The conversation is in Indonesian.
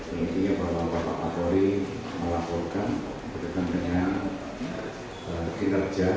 presiden joko widodo senin lalu memanggil kapolri jenderal idam aziz dan meminta agar kasus penyerangan air keras penyidik senior kpk novel baswedan terungkap dalam hitungan hari